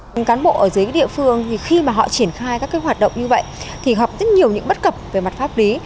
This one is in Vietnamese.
các cán bộ ở dưới địa phương khi mà họ triển khai các hoạt động như vậy thì gặp rất nhiều những bất cập về mặt pháp lý